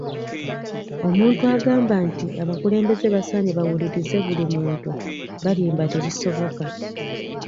Omuntu agamba nti abakulembeze basaanye bawulirize buli muntu balimba tekisoboka.